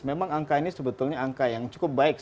memang angka ini sebetulnya angka yang cukup baik